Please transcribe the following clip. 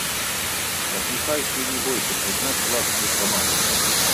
Пасміхайся і не бойся прызнаць уласную прамашку!